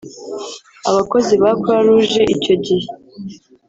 abakozi ba Croix Rouge icyo gihe